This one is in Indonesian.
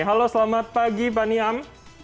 halo selamat pagi pak niam